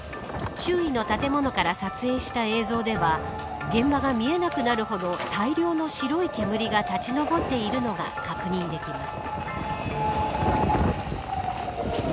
周囲の建物から撮影した映像では現場が見えなくなるほど大量の白い煙が立ち上っているのが確認できます。